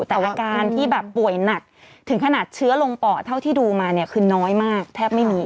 แต่อาการที่แบบป่วยหนักถึงขนาดเชื้อลงปอดเท่าที่ดูมาเนี่ยคือน้อยมากแทบไม่มี